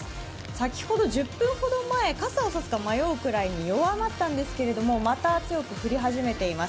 先ほど１０分ほど前、傘を差すか迷うくらい弱まったんですけれども、また強く降り始めています。